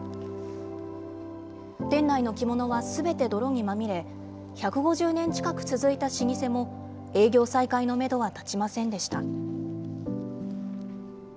店内の着物はすべて泥にまみれ、１５０年近く続いた老舗も営業再開のメドは立ちませんでした。